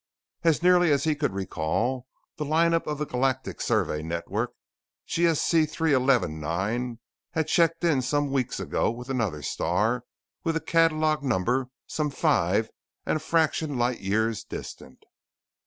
As nearly as he could recall the lineup of the Galactic Survey network, G.S.C. 311 IX had checked in some weeks ago with another star with a catalog number some five and a fraction light years distant.